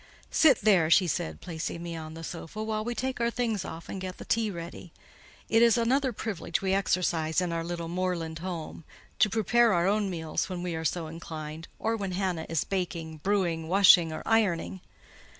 "Sit there," she said, placing me on the sofa, "while we take our things off and get the tea ready; it is another privilege we exercise in our little moorland home—to prepare our own meals when we are so inclined, or when Hannah is baking, brewing, washing, or ironing."